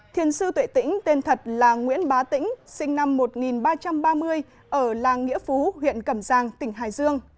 thiền sư tuệ tĩnh tên thật là nguyễn bá tĩnh sinh năm một nghìn ba trăm ba mươi ở làng nghĩa phú huyện cẩm giang tỉnh hải dương